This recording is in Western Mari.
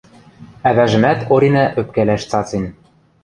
Ӓвӓжӹмӓт Оринӓ ӧпкӓлӓш цацен: